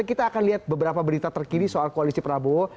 kita akan lihat beberapa berita terkini soal koalisi prabowo